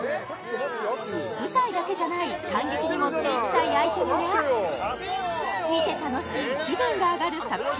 舞台だけじゃない観劇に持っていきたいアイテムや見て楽しい気分が上がる作品